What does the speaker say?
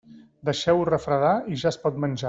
Deixeu-ho refredar i ja es pot menjar.